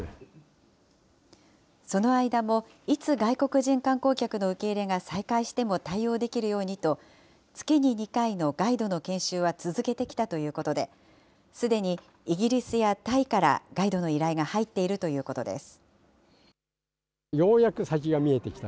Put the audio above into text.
その間も、いつ外国人観光客の受け入れが再開しても対応できるようにと、月に２回のガイドの研修は続けてきたということで、すでにイギリスやタイからガイドの依頼が入っているということです。